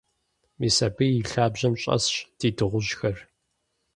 Мис абы и лъабжьэм щӀэсщ ди дыгъужьхэр.